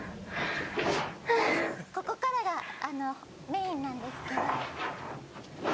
ここからがメインなんですけど。